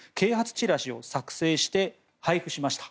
チラシを作成して配布しました。